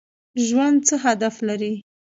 ژوند څه هدف لري؟